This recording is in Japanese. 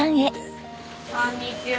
こんにちは。